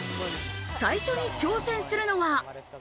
最初に挑戦するのは。